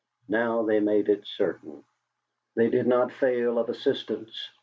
Now they made it certain. They did not fail of assistance.